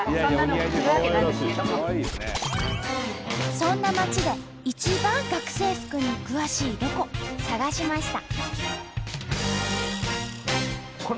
そんな町で一番学生服に詳しいロコ探しました。